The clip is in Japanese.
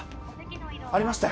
ありましたよ